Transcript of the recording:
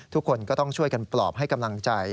ทุกคนก็ต้องช่วยกันปลอบให้กำลังใจ